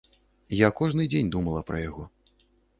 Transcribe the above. Я кожны дзень думала пра яго.